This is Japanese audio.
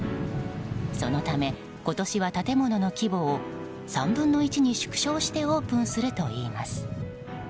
そのため、今年は建物の規模を３分の１に縮小してオープンするといいます。